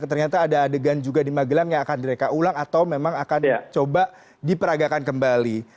ternyata ada adegan juga di magelang yang akan direka ulang atau memang akan coba diperagakan kembali